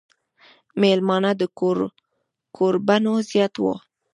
مېلمانۀ د کوربنو زيات وو ـ